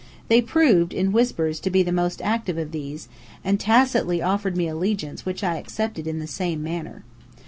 They proved (in whispers) to be the most active of these, and tacitly offered me allegiance which I accepted in the same manner.